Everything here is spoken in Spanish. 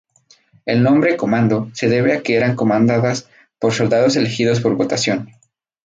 El nombre "Comando" se debe a que eran comandadas por soldados elegidos por votación.